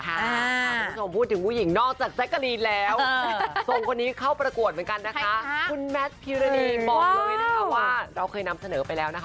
คุณผู้ชมพูดถึงผู้หญิงนอกจากแจ๊กกาลีนแล้ว